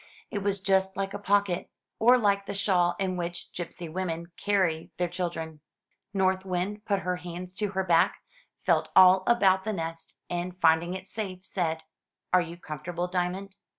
It was just like a pocket, or like the shawl in which gipsy women carry their children. North Wind put her hands to her back, felt all about the nest, and finding it safe, said: "Are you comfortable, Diamond?"